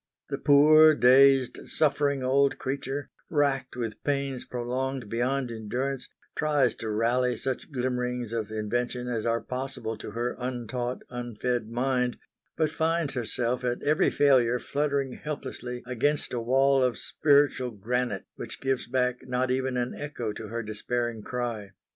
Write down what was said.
The poor dazed, suffering old creature, racked with pains prolonged beyond endurance, tries to rally such glimmerings of invention as are possible to her untaught, unfed mind; but finds herself at every failure fluttering helplessly against a wall of spiritual granite which gives back not even an echo to her despairing cry.